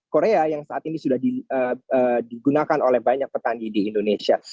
korea yang saat ini sudah digunakan oleh banyak petani di indonesia